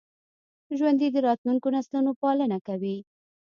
ژوندي د راتلونکو نسلونو پالنه کوي